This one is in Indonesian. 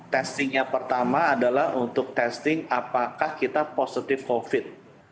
testingnya pertama adalah untuk testing apakah kita positif covid